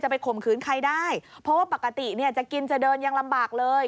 ไปข่มขืนใครได้เพราะว่าปกติเนี่ยจะกินจะเดินยังลำบากเลย